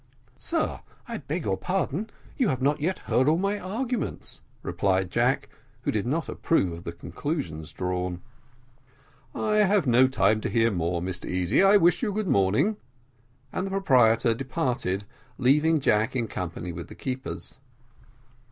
"Sir, I beg your pardon, you have not yet heard all my arguments," replied Jack, who did not approve of the conclusions drawn. "I have no time to hear more, Mr Easy: I wish you a good morning." And the proprietor departed, leaving Jack in company with the keepers.